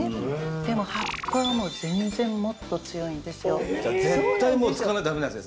でも葉っぱはもう全然もっと強いんですよ